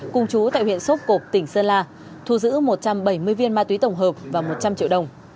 cùng chú tại huyện sốp cộp tỉnh sơn la thu giữ một trăm bảy mươi viên ma túy tổng hợp và một trăm linh triệu đồng